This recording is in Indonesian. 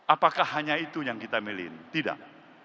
apakah hanya itu yang kita milih tidak